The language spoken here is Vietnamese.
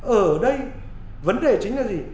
ở đây vấn đề chính là gì